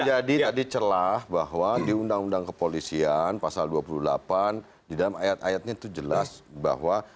tadi celah bahwa di undang undang kepolisian pasal dua puluh delapan di dalam ayat ayatnya itu jelas bahwa